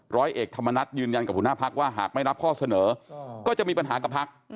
ร้อยเอกธรรมนัฏยืนยันกับหัวหน้าพักว่าหากไม่รับข้อเสนอก็จะมีปัญหากับพัก